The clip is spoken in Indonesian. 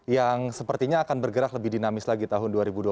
yang sepertinya akan bergerak lebih dinamis lagi tahun dua ribu dua puluh